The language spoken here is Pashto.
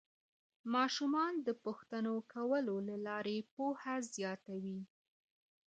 ماشومان د پوښتنو کولو له لارې پوهه زیاتوي